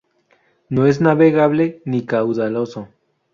No es navegable ni caudaloso.